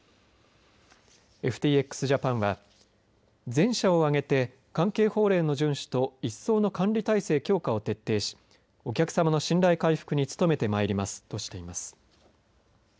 ＦＴＸジャパンは全社を挙げて関係法令の順守と一層の管理体制強化を徹底しお客様の信頼回復に努めてまいりますとしています。